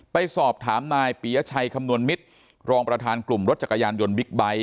ไปสอบถามนายปียชัยคำนวณมิตรรองประธานกลุ่มรถจักรยานยนต์บิ๊กไบท์